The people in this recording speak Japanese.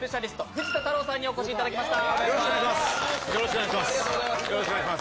藤田太郎さんにお越しいただきました。